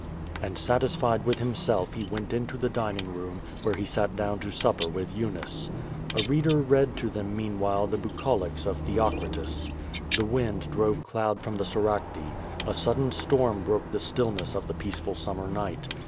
'^ And satisfied with himself he went into the dining room, where he sat down to supper with Eunice. A reader read to them meanwhile the bucolics of Theocritus. The wind drove cloud from the Soracte. A sudden storm broke the stillness of the peaceful summer night.